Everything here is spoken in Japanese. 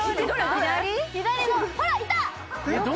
「左のほらっいた！」